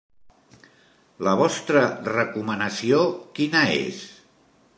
La vostra recomanació quina és?